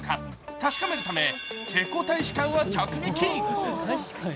確かめるため、チェコ大使館を直撃。